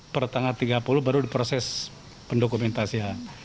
pertanggal tiga puluh baru diproses pendokumentasian